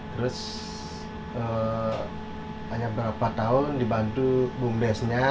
terus hanya beberapa tahun dibantu bumdeswer nya